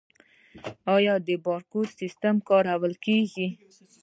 د بارکوډ سیستم کارول کیږي؟